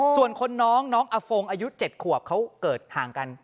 ส่วนคนน้องน้องอฟงอายุ๗ขวบเขาเกิดห่างกัน